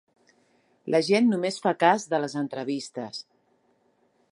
La gent només fa cas de les entrevistes.